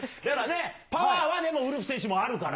パワーはでもウルフ選手もあるから。